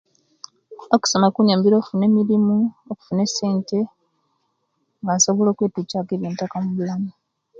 Okusoma kunyambire okufuna emirimu, okufuna essente nga nsobola okwetukyaku ebyenttaka omubulamu.